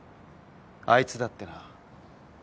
あいつだってな。